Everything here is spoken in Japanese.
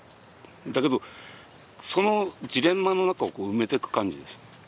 だけどそのジレンマの中を埋めていく感じです。